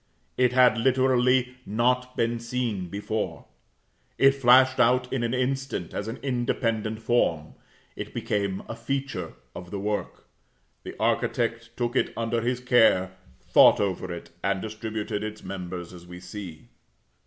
It had literally not been seen before. It flashed out in an instant as an independent form. It became a feature of the work. The architect took it under his care, thought over it, and distributed its members as we see.